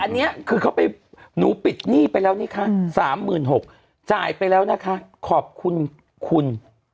นี่เป็นหนี้มีขอบคุณคุณ